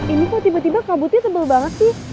ini kok tiba tiba kabutnya tebal banget sih